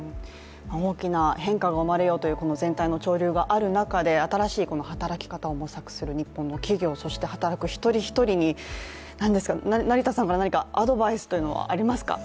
大きな変化が生まれようという全体の潮流がある中で新しい働き方を模索する日本の企業、そして働く一人一人に、成田さんからアドバイスはありますか？